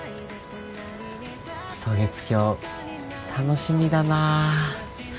渡月橋楽しみだな